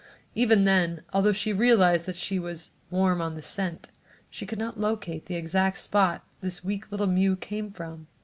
Even then, although she realized that she was "warm on the scent," she could not locate the exact spot this weak little mew came from.